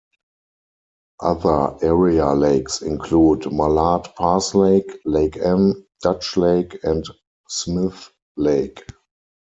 Other area lakes include Mallard Pass Lake, Lake Ann, Dutch Lake, and Smith Lake.